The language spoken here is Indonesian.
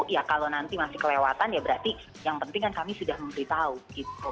ya kalau nanti masih kelewatan ya berarti yang penting kan kami sudah memberitahu gitu